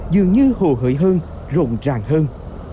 dường như hồ hội hơn rộng ràng hơn